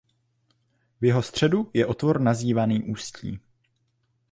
V jeho středu je otvor nazývaný ústí.